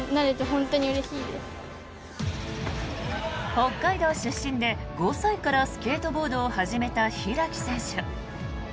北海道出身で、５歳からスケートボードを始めた開選手。